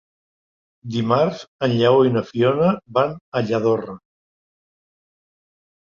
Dimarts en Lleó i na Fiona van a Lladorre.